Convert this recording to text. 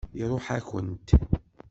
Iṛuḥ-akent.